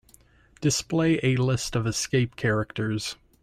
Display a list of escape characters.